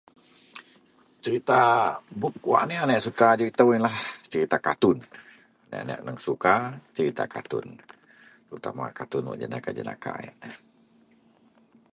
Cerita bup wak aneak - aneak suka ajau itou yenlah cerita katun. Aneak - aneak aneng suka cerita katun, terutama katun wak jenaka- jenaka